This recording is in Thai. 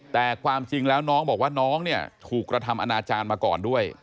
แต่ความจริงแล้วน้องบอกว่าน้องเนี่ยถูกกระทำอนาจารย์มาก่อนด้วย